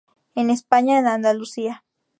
En España en Andalucía.